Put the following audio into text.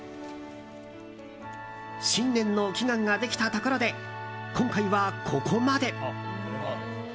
新年の祈願ができたところで今回はここまで。